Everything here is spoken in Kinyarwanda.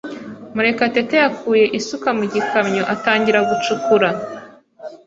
Murekatete yakuye isuka mu gikamyo atangira gucukura.